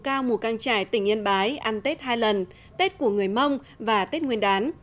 các đơn vị đang trải tỉnh yên bái ăn tết hai lần tết của người mông và tết nguyên đán